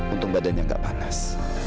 untung badannya tidak panas